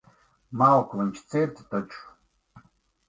Malku viņš cirta taču.